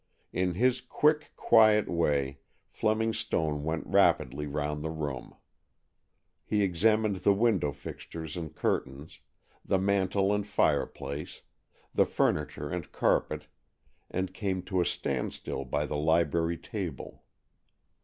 In his quick, quiet way Fleming Stone went rapidly round the room. He examined the window fixtures and curtains, the mantel and fireplace, the furniture and carpet, and came to a standstill by the library table.